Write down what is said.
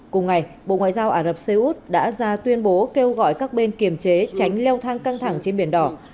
cùng ngày bộ ngoại giao ả rập xê út đã ra tuyên bố kêu gọi các bên kiềm chế tránh leo thang căng thẳng trên biển đỏ